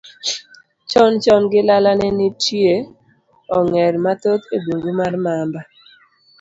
Chon chon gilala, ne nitie ong'er mathoth e bungu mar Mamba.